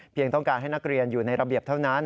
ต้องการให้นักเรียนอยู่ในระเบียบเท่านั้น